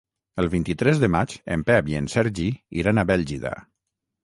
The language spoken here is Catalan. El vint-i-tres de maig en Pep i en Sergi iran a Bèlgida.